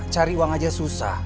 cari uang aja susah